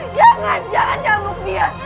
jangan jangan cambuk dia